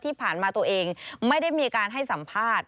ที่ผ่านมาตัวเองไม่ได้มีการให้สัมภาษณ์